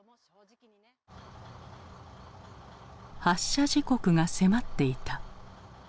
発車時刻が迫っていた。